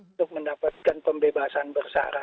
untuk mendapatkan pembebasan bersahara